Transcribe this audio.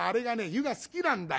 湯が好きなんだよ。